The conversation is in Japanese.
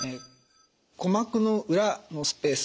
鼓膜の裏のスペース